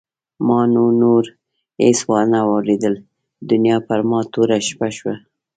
ما نو نور هېڅ وانه ورېدل دنیا پر ما توره شپه شوه.